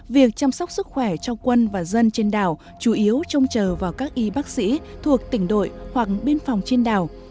việc chăm sóc sức khỏe cho quân và dân trên đảo chủ yếu trông chờ vào các y bác sĩ thuộc tỉnh đội hoặc biên phòng trên đảo